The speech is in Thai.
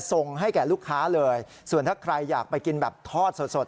ส่งให้แก่ลูกค้าเลยส่วนถ้าใครอยากไปกินแบบทอดสดสด